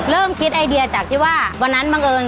เริ่มคิดไอเดียจากที่ว่าวันนั้นบังเอิญ